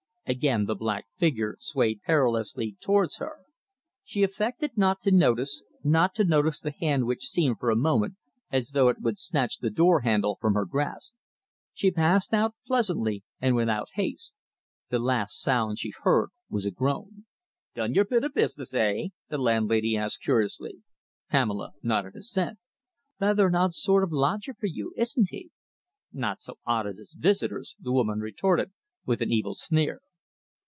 Again the black figure swayed perilously towards her. She affected not to notice, not to notice the hand which seemed for a moment as though it would snatch the door handle from her grasp. She passed out pleasantly and without haste. The last sound she heard was a groan. "Done your bit o' business, eh?" the landlady asked curiously. Pamela nodded assent. "Rather an odd sort of lodger for you, isn't he?" "Not so odd as his visitors," the woman retorted, with an evil sneer.